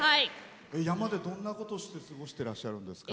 山で、どんなことして過ごしていらっしゃるんですか？